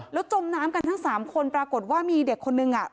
แล้วจมน้ำกันทั้ง๓คนปรากฏว่ามีเด็กคนนึง